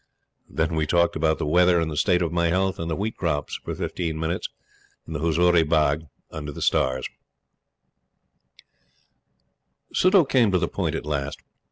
Then we talked about the weather and the state of my health, and the wheat crops, for fifteen minutes, in the Huzuri Bagh, under the stars. Suddhoo came to the point at last.